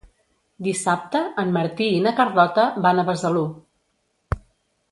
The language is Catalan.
Dissabte en Martí i na Carlota van a Besalú.